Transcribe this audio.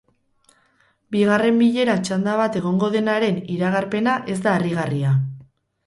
Bigarren bilera txanda bat egongo denaren iragarpena ez da harrigarria.